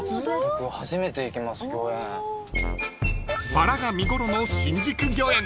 ［バラが見頃の新宿御苑］